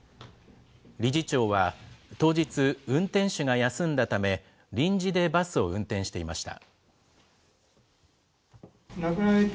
理事長は、当日、運転手が休んだため、臨時でバスを運転していました。